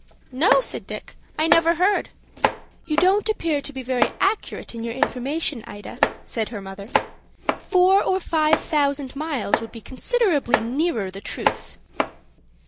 "No," said Dick. "I never heard." "You don't appear to be very accurate in your information, Ida," said her mother. "Four or five thousand miles would be considerably nearer the truth."